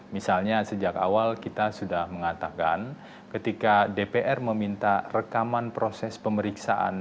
misalnya sejak awal kita sudah mengatakan ketika dpr meminta rekaman proses pemeriksaan